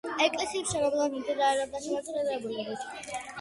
ეკლესიის მშენებლობა მიმდინარეობდა შემოწირულობებით.